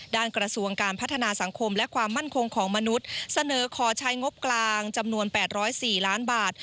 กระทรวงการพัฒนาสังคมและความมั่นคงของมนุษย์เสนอขอใช้งบกลางจำนวน๘๐๔ล้านบาท